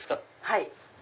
はい。